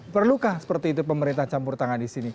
perlukah seperti itu pemerintah campur tangan di sini